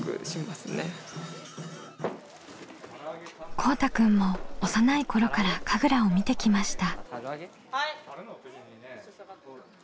こうたくんも幼い頃から神楽を見てきました。